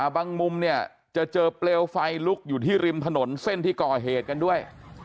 มุมเนี่ยจะเจอเปลวไฟลุกอยู่ที่ริมถนนเส้นที่ก่อเหตุกันด้วย